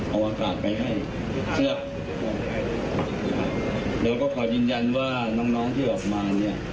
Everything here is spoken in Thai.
เอาอากาศไปให้สำหรับเราก็ขอยืนยันว่าน้องที่ออกมาเนี่ย